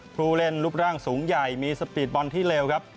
ผู้เล่นรูปร่างสูงใหญ่มีสปีดบอลที่เร็วครับ